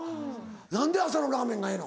何で朝のラーメンがええの？